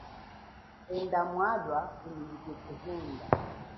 Enda mwalwa unyingike chihunda.